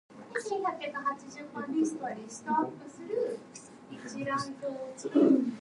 It is found in the western United States.